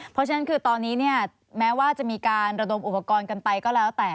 เพราะฉะนั้นคือตอนนี้เนี่ยแม้ว่าจะมีการระดมอุปกรณ์กันไปก็แล้วแต่